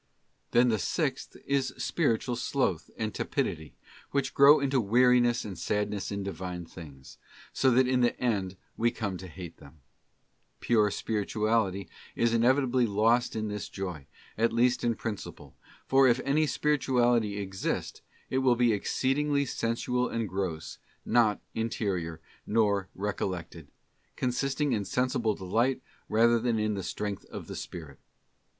Then the sixth is spiritual sloth and tepidity, which grow into weariness and sadness in Divine things, so that in the end we come to hate them. Pure spirituality is inevitably lost in this joy, at least in principle; for if any spirituality exist, it will be exceedingly sensual and gross, not interior, nor recollected—consisting in sensible delight rather than in the strength of the spirit.